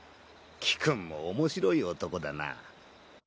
貴君も面白い男だな。